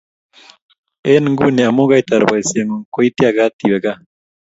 eng nguni omu kaitar boisieng'ung, ko iityagat iwe kaa